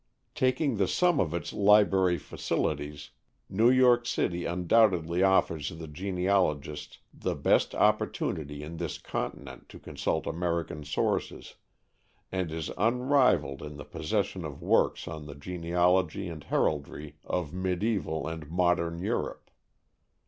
Taking the sum of its library facilities, New York City undoubtedly offers the genealogist the best opportunity on this continent to consult American sources, and is unrivalled in the possession of works on the genealogy and heraldry of mediæval and modern Europe.